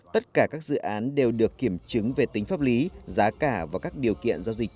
tất cả các dự án đều được kiểm chứng về tính pháp lý giá cả và các điều kiện giao dịch